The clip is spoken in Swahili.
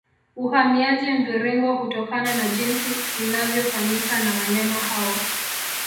Uhamiaji Mviringo hutokana na jinsi inavyofanyika na wanyama hao